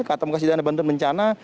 kata muka sidana bentuk bencana